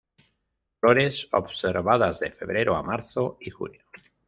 Flores observadas de febrero a marzo y junio.